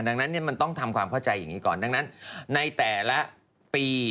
ดังนั้นมันต้องทำความเข้าใจอย่างนี้ก่อนดังนั้นในแต่ละปี